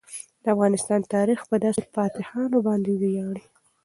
د افغانستان تاریخ په داسې فاتحانو باندې ویاړي.